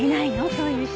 そういう人。